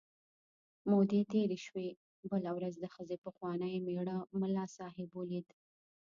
مودې تېرې شوې، بله ورځ د ښځې پخواني مېړه ملا صاحب ولید.